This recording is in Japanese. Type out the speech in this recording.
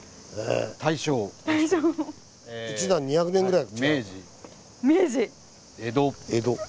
１段２００年ぐらい違うんだ。